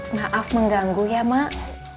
maaf mengganggu ya mak